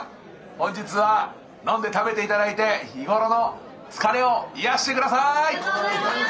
本日は飲んで食べていただいて日頃の疲れを癒やしてください。